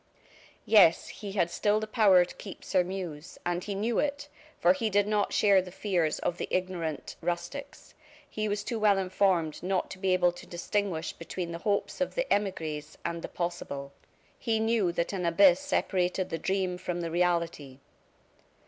Yes, he had still the power to keep Sairmeuse, and he knew it, for he did not share the fears of the ignorant rustics. He was too well informed not to be able to distinguish between the hopes of the emigres and the possible. He knew that an abyss separated the dream from the reality.